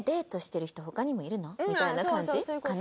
みたいな感じかな？